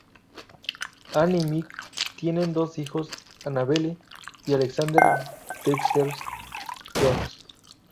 Ann y Mick tienen dos hijos, Annabelle y Alexander Dexter-Jones.